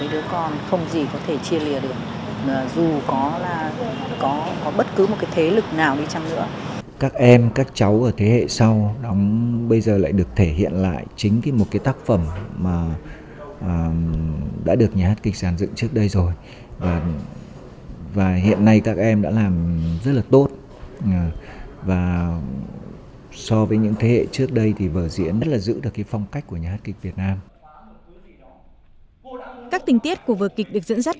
đứa con cũng gọi người vợ mới kia là mẹ và họ không biết đấy là người vợ cũ người mẹ của mình